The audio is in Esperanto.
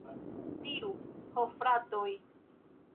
Diru, ho fratoj!